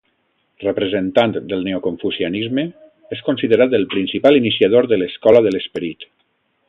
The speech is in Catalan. Representant del neoconfucianisme, és considerat el principal iniciador de l'Escola de l'Esperit.